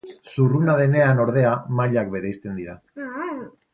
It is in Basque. Zurruna denean, ordea, mailak bereizten dira.